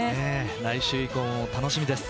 来週以降も楽しみです。